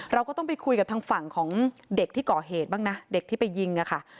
เราก็ต้องไปคุยกับทางฝั่งของเด็กที่ก่อเหตุบ้างนะเด็กที่ไปยิงอะค่ะ